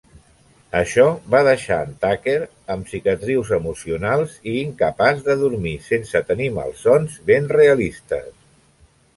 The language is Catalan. Això va deixar en Tucker amb cicatrius emocionals i incapaç de dormir sense tenir malsons ben realistes.